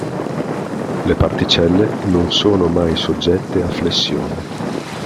Le particelle non sono mai soggette a flessione.